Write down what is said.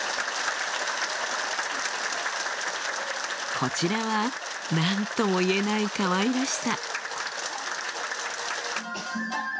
こちらは何ともいえないかわいらしさ